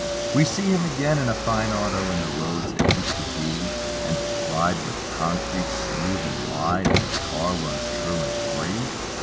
We see him again, in a fine auto; And the roads that used to be And plied with concrete, smooth and wide. And his car runs true and free.